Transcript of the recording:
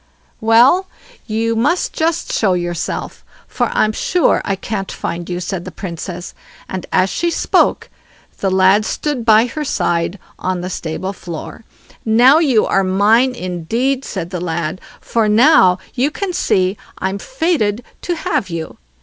"Well; you must just show yourself, for I'm sure I can't find you", said the Princess, and as she spoke the lad stood by her side on the stable floor. "Now you are mine indeed", said the lad; "for now you can see I'm fated to have you."